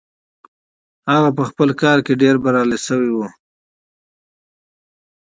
هغه په خپل کار کې ډېر بريالي شوی و.